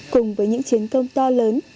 cùng với những chiến công to lớn